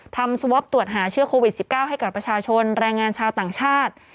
สวอปตรวจหาเชื้อโควิด๑๙ให้กับประชาชนแรงงานชาวต่างชาติ